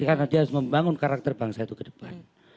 karena dia harus membangun karakter bangsa itu ke depan